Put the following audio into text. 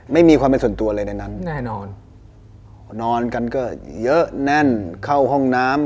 ไม่มีความเป็นส่วนตัวเลยในนั้นแน่นอนนอนกันก็เยอะแน่นเข้าห้องน้ำ